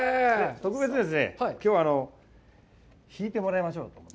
特別ですね、きょうは引いてもらいましょう。